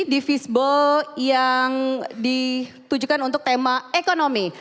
di fisball yang ditujukan untuk tema ekonomi